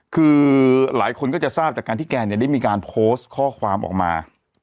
คือหลายคนก็จะทราบจากการที่แกเนี่ยได้มีการโพสต์ข้อความออกมา